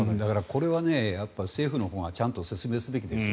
これは政府のほうがちゃんと説明すべきです。